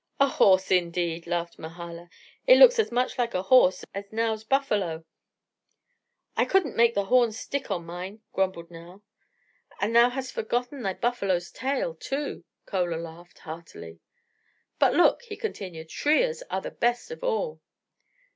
"A horse, indeed," laughed Mahala; "it looks as much like a horse as Nao's buffalo." "I couldn't make the horns stick on mine," grumbled Nao. "And thou hast forgotten thy buffalo's tail, too!" Chola laughed, heartily. "But, look," he continued, "Shriya's are the best of all."